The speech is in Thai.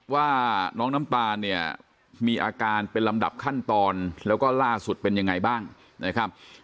ว่าน้องน้ำตาลเนี่ยมีอาการเป็นลำดับขั้นตอนแล้วก็ล่าสุดเป็นยังไงบ้างนะครับ